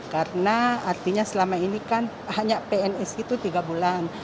karena artinya selama ini kan hanya pns itu tiga bulan